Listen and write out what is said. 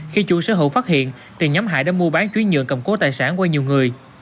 khi chủ sở hữu phát hiện thì nhóm hại đã mua bán chuyến nhượng cầm cố tài sản qua nhiều người